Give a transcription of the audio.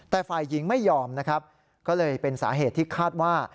แต่ฝ่ายหญิงไม่ยอมนะครับก็เลยเป็นสาเหตุที่คาดว่า